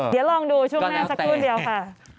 เดี๋ยวลองดูช่วงหน้าสักครู่เดียวค่ะ